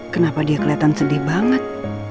kenapa dia kelihatan sedih banget